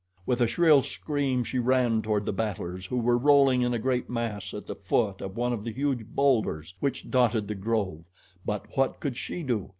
With a shrill scream she ran toward the battlers who were rolling in a great mass at the foot of one of the huge boulders which dotted the grove; but what could she do?